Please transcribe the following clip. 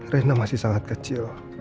rena masih sangat kecil